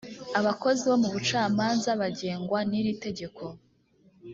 abakozi bo mu bucamanza bagengwa n iri tegeko